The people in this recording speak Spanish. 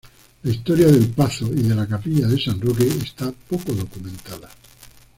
La historia del pazo y de la capilla de San Roque esta poco documentada.